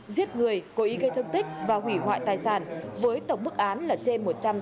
giết người cố ý gây thương tích và hủy hoại tài sản với tổng bức án là chê một trăm tám mươi ba năm tù giam